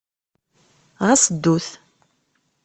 Ɣas ddut.